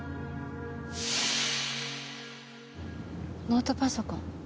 ノートパソコン。